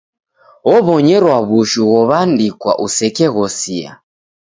Obonyerwa w'ushu ghow'andikwa usekeghosia.